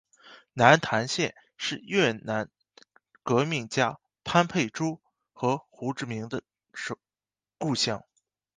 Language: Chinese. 南坛县是越南革命家潘佩珠和胡志明的故乡。